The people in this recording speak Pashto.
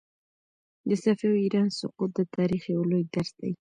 د صفوي ایران سقوط د تاریخ یو لوی درس دی.